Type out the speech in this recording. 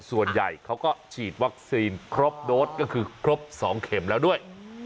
ส่วนใหญ่เขาก็ฉีดวัคซีนครบโดสก็คือครบ๒เข็มแล้วด้วย